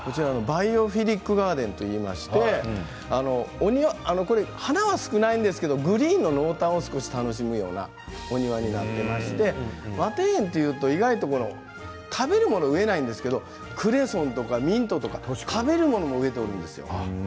「バイオフィリックガーデン」といいまして花は少ないんですけれどもグリーンの濃淡を少し楽しむようなお庭になっていまして和庭園というと意外と食べるものを植えないんですけれどクレソンとかミントとか食べるものを植えているんですよ。